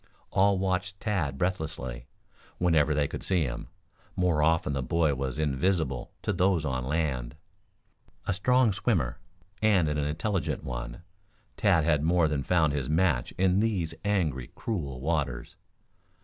All watched Tad breathlessly whenever they could see him. More often the boy was invisible to those on land. A strong swimmer, and an intelligent one, Tad had more than found his match in these angry, cruel waters.